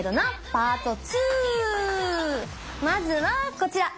まずはこちら。